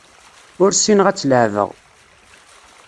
Ur ssineɣ ad tt-leεbeɣ.